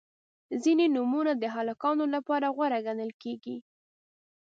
• ځینې نومونه د هلکانو لپاره غوره ګڼل کیږي.